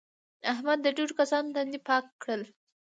احمد د ډېرو کسانو تندي پاک کړل.